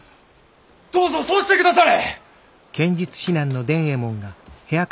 どうぞそうして下され！